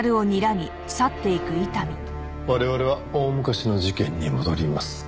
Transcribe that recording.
我々は大昔の事件に戻りますか。